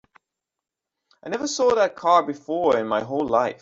I never saw that car before in my whole life.